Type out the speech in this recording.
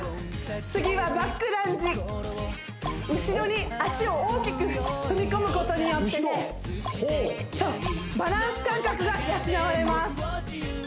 次はバックランジ後ろに足を大きく踏み込むことによってねそうバランス感覚が養われます